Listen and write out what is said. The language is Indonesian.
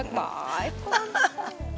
udah nggak apa apa